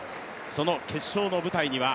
その決勝の舞台には